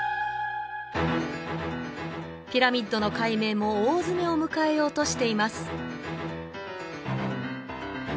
ピラミッドの解明も大詰めを迎えようとしています